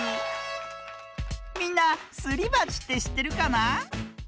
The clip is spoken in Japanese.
みんなすりばちってしってるかな？